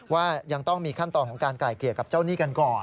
ว่ายังต้องมีขั้นตอนของการไกลเกลียดกับเจ้าหนี้กันก่อน